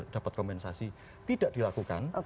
dapat kompensasi tidak dilakukan